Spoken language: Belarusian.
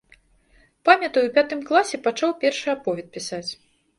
Памятаю ў пятым класе пачаў першы аповед пісаць.